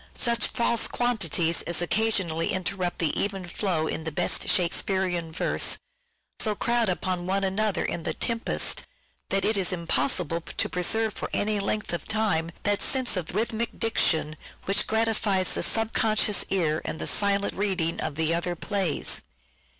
Such false quantities as occasionally interrupt the even flow in the best Shakespearean verse, so crowd upon one another in " The Tempest " that it is impossible to preserve for any length of time that sense of rhythmic diction which gratifies the sub conscious ear in the silent reading of the other plays.